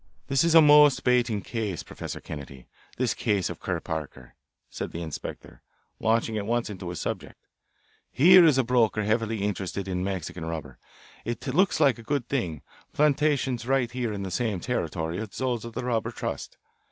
"This is a most bating case, Professor Kennedy, this case of Kerr Parker," said the inspector, launching at once into his subject. "Here is a broker heavily interested in Mexican rubber. It looks like a good thing plantations right in the same territory as those of the Rubber Trust.